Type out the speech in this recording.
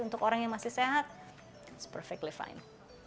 untuk orang yang masih sehat it's perfectly fine